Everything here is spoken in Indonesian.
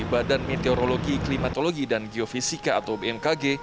badan meteorologi klimatologi dan geofisika atau bmkg